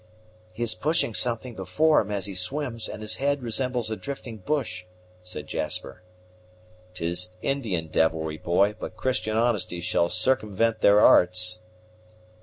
"He is pushing something before him as he swims, and his head resembles a drifting bush," said Jasper. "'Tis Indian devilry, boy; but Christian honesty shall circumvent their arts."